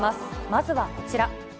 まずはこちら。